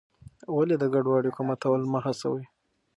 ولې د ګډو اړیکو ماتول مه هڅوې؟